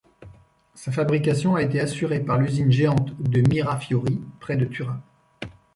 Sa fabrication a été assurée par l'usine géante de Mirafiori près de Turin.